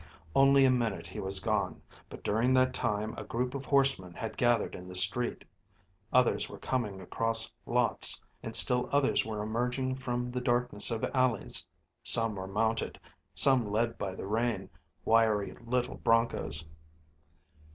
Only a minute he was gone, but during that time a group of horsemen had gathered in the street. Others were coming across lots, and still others were emerging from the darkness of alleys. Some were mounted; some led by the rein, wiry little bronchos.